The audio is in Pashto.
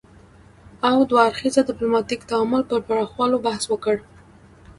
او دوه اړخیز ديپلوماتيک تعامل پر پراخولو بحث وکړ